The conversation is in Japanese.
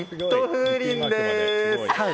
風鈴です。